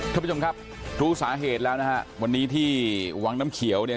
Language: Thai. ท่านผู้ชมครับรู้สาเหตุแล้วนะฮะวันนี้ที่วังน้ำเขียวเนี่ย